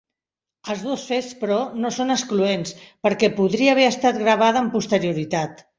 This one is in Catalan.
Els dos fets, però, no són excloents, perquè podria haver estat gravada amb posterioritat.